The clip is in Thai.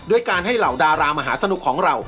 การให้เหล่าดารามหาสนุกของเรา